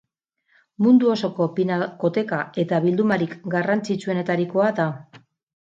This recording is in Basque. Mundu osoko pinakoteka eta bildumarik garrantzitsuenetarikoa da.